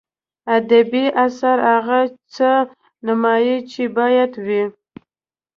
ادبي اثر هغه څه نمایي چې باید وي.